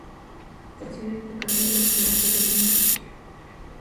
Su organización está a cargo de la Federación de Tenis de Chile.